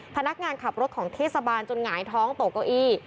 พนักงานขับรถของเทศบาลจนหงายท้องตกเก้าอี้